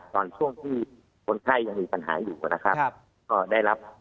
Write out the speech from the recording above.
ตอนช่วงที่คนไข้ยังมีปัญหาอยู่นะครับก็ได้รับ